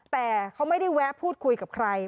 แต่เขาไม่ได้แวะพูดคุยกับใคร